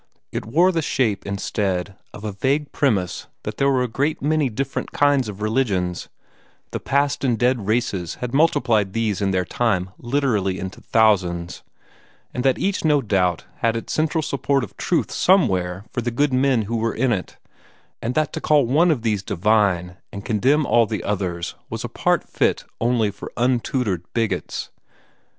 It wore the shape, instead, of a vague premise that there were a great many different kinds of religions the past and dead races had multiplied these in their time literally into thousands and that each no doubt had its central support of truth somewhere for the good men who were in it, and that to call one of these divine and condemn all the others was a part fit only for untutored bigots.